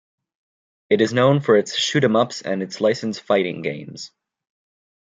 It is known for its shoot 'em ups and its licensed fighting games.